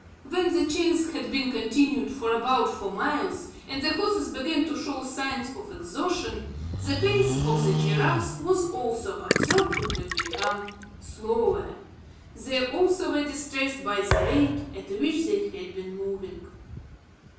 When the chase had been continued for about four miles, and the horses began to show signs of exhaustion, the pace of the giraffes was also observed to have become slower. They, also, were distressed by the rate at which they had been moving.